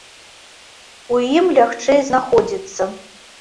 У ім лягчэй знаходзіцца.